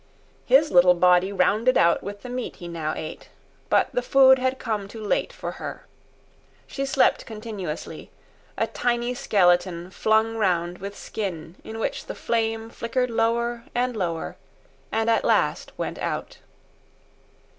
His little body rounded out with the meat he now ate; but the food had come too late for her. She slept continuously, a tiny skeleton flung round with skin in which the flame flickered lower and lower and at last went out.